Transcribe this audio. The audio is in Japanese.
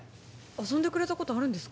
遊んでくれたことあるんですか？